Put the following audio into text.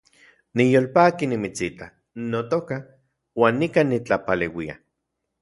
Niyolpaki nimitsita, notoka, uan nikan nitlapaleuia